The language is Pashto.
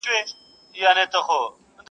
پرانيزي او الهام ورکوي -